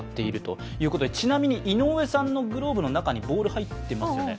ちなみに井上さんのグローブの中にボール、入ってますよね。